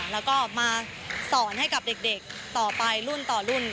แล้วก็มาสอนให้กับเด็กต่อไปรุ่นต่อรุ่น